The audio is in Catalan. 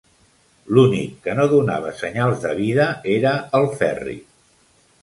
L'únic que no donava senyals de vida era el Ferri.